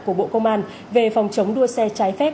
của bộ công an về phòng chống đua xe trái phép